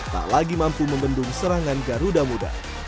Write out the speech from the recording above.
tak lagi mampu membendung serangan garuda muda